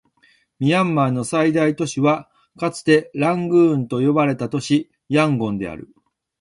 ミャンマーの最大都市はかつてラングーンと呼ばれた都市、ヤンゴンである